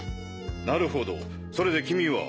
なるほどそれで君は？